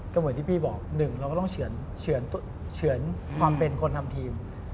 ก็เหมือนที่พี่บอก๑เราก็ต้องเฉือนความเป็นคนทำทีม